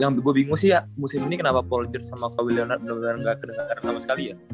yang gua bingung sih ya musim ini kenapa paul george sama kawe leonard bener bener ga kedengaran sama sekali ya